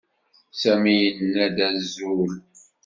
Sami yenna-d azul.